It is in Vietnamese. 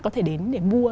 có thể đến để mua